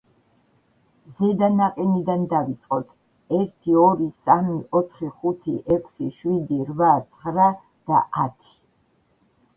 ზედა ნაყინიდან დავიწყოთ: ერთი, ორი, სამი, ოთხი, ხუთი, ექვსი, შვიდი, რვა, ცხრა და ათი.